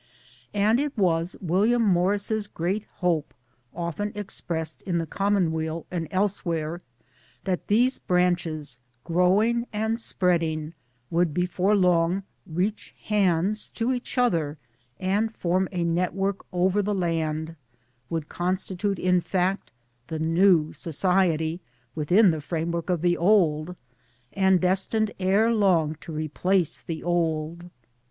And it was William Morris's great hope, often expressed in the Cantmonweal and elsewhere, that these branches growing and spreading, would before long " reach hands " to each other and form a network over the land would constitute in fact " the New Society " within the framework of the old, and destined ere long 4 to replace the old.